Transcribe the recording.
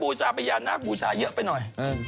บูชาพยานาคเบียงมาบูชาเยอะไปหน่อย